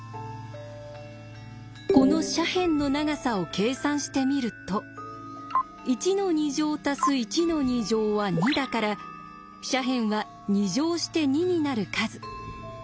この斜辺の長さを計算してみると１の２乗足す１の２乗は２だから斜辺は２乗して２になる数そう